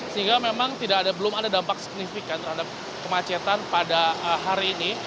sehingga memang belum ada dampak signifikan terhadap kemacetan pada hari ini